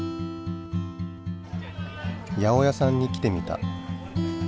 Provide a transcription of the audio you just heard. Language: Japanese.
八百屋さんに来てみた。